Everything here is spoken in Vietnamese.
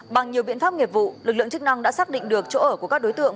bằng nhiều biện pháp nghiệp vụ lực lượng chức năng đã xác định được chỗ ở của các đối tượng